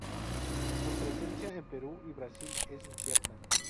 Su presencia en Perú y Brasil es incierta.